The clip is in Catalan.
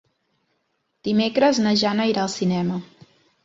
Dimecres na Jana irà al cinema.